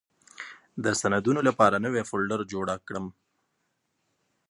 د سندونو لپاره نوې فولډر جوړه کړم.